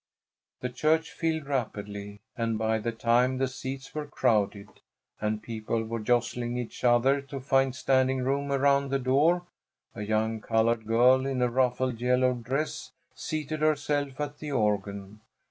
The church filled rapidly, and by the time the seats were crowded and people were jostling each other to find standing room around the door, a young colored girl in a ruffled yellow dress seated herself at the organ.